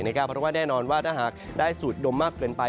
เพราะว่าแน่นอนว่าถ้าหากได้สูดดมมากเกินไป